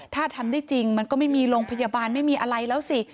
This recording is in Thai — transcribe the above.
ถ้าทำได้จริงมันก็ไม่มีโรงพยาบาลไม่มีอะไรแล้วสิ